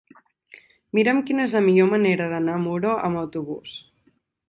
Mira'm quina és la millor manera d'anar a Muro amb autobús.